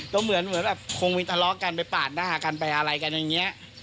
ก็เหมือนแบบคงมีทะเลาะกันไปปาดหน้ากันไปอะไรกันอย่างนี้